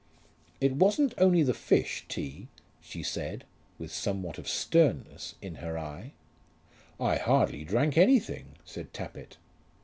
"It wasn't only the fish, T.," she said, with somewhat of sternness in her eye. "I hardly drank anything," said Tappitt.